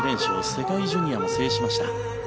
世界ジュニアも制しました。